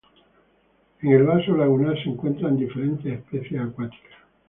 En el vaso lagunar se encuentran diferentes especies acuáticas.